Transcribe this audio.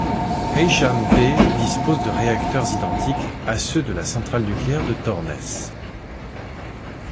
Heysham B dispose de réacteurs identiques à ceux de la centrale nucléaire de Torness.